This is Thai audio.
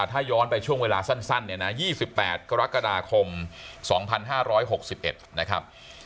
ถ้าย้อนไปช่วงเวลาสั้นเนี่ยนะ๒๘กรกฎาคม๒๕๖๑นะครับ